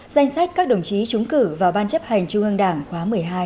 danh sách các đồng chí trúng cử vào ban chấp hành trung ương đảng khóa một mươi hai